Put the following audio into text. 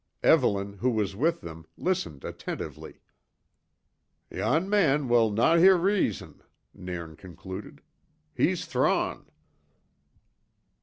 Evelyn, who was with them, listened attentively. "Yon man will no hear reason," Nairn concluded. "He's thrawn."